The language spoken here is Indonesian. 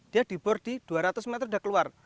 dia dibor di dua ratus meter sudah keluar